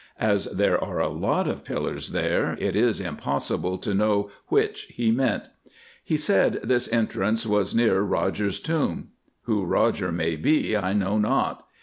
As there are a lot of pillars there, it is impossible to know which he meant. He said this entrance was near Roger's tomb. Who Roger may be I know not.